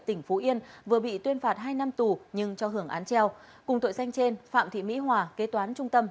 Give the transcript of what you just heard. tỉnh phú yên vừa bị tuyên phạt hai năm tù nhưng cho hưởng án treo cùng tội danh trên phạm thị mỹ hòa kế toán trung tâm